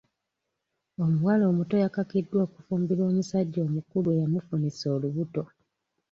Omuwala omuto yakakiddwa okufumbirwa omusajja omukulu eyamufunisa olubuto.